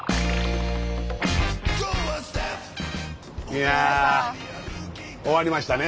いや終わりましたね。